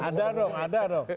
ada dong ada dong